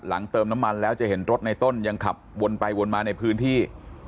เติมน้ำมันแล้วจะเห็นรถในต้นยังขับวนไปวนมาในพื้นที่